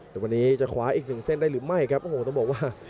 เดี๋ยววันนี้จะขวาอีก๑เส้นได้หรือไม่ครับโอ้โหต้องบอกว่า